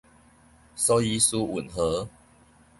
蘇伊士運河